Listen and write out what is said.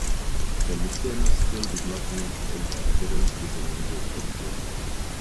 Feliciano still did not make any appearance with the majors that year.